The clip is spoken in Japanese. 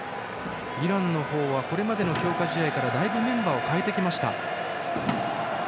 イランはこれまでの強化試合からだいぶメンバーを変えてきました。